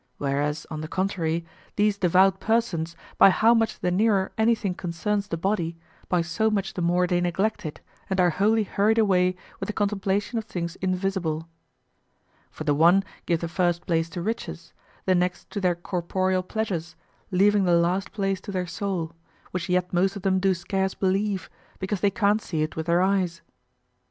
Whereas on the contrary, these devout persons, by how much the nearer anything concerns the body, by so much more they neglect it and are wholly hurried away with the contemplation of things invisible. For the one give the first place to riches, the next to their corporeal pleasures, leaving the last place to their soul, which yet most of them do scarce believe, because they can't see it with their eyes.